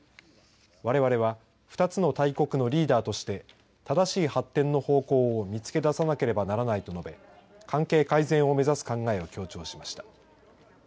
われわれは２つの大国のリーダーとして正しい発展の方向を見つけ出さなければならないと述べ関係改善を目指す考えを強調しました。